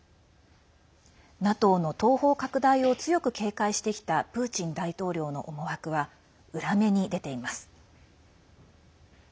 ＮＡＴＯの東方拡大を強く警戒してきたプーチン大統領の思惑は裏目に出ています。